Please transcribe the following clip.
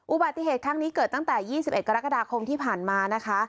อุบัติเหตุครั้งนี้เกิดตั้งแต่๒๑กรกฎาคมที่ผ่านมานะคะ